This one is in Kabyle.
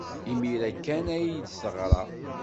Imir-a kan ay d-teɣra.